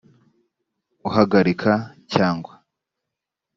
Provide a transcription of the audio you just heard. uhagarika cyangwa